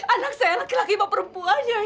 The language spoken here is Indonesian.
anak saya laki laki baperempuan nyanyi